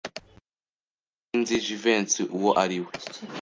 Sinari nzi Jivency uwo ari we.